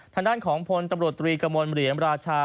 ทางด้านของพลตำรวจตรีกระมวลเหรียญราชา